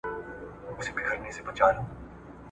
کشر ځان ته په چورتونو کي پاچا وو !.